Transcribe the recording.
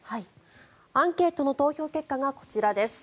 アンケートの投票結果がこちらです。